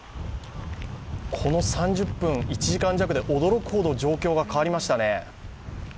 この３０分、１時間弱で驚くほど状況が変わりましたね。